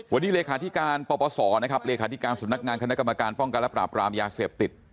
วันนี้เลขาธิการปปศนะครับเลขาธิการสำนักงานคณะกรรมการป้องกันและปราบรามยาเสพติด